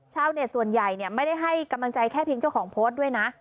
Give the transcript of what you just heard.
ชาวเน็ตส่วนใหญ่ไม่ได้ให้กำลังใจแค่เพียงเจ้าของโพสต์ด้วยนะ